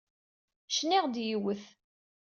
Cniɣ-d yiwet.